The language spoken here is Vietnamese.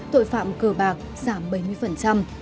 tội phạm cờ bạc giảm bảy mươi